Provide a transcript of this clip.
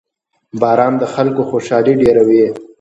• باران د خلکو خوشحالي ډېروي.